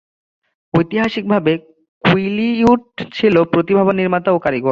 ঐতিহাসিকভাবে কুইলিউট ছিল প্রতিভাবান নির্মাতা এবং কারিগর।